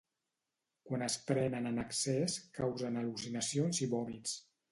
Quan es prenen en excés causen al·lucinacions i vòmits.